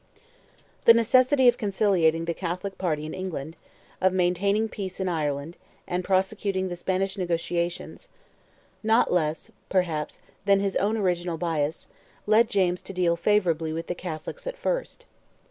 The necessity of conciliating the Catholic party in England, of maintaining peace in Ireland, and prosecuting the Spanish negotiations, not less, perhaps, than his own original bias, led James to deal favourably with the Catholics at first.